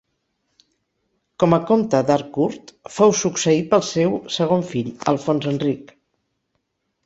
Com a comte d'Harcourt fou succeït pel seu segon fill, Alfons Enric.